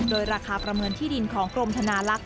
โดยราคาประเมินที่ดินของกรมธนาลักษณ